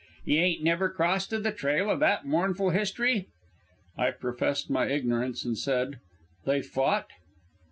"Ye ain't never crossed the trail o' that mournful history?" I professed my ignorance and said: "They fought?"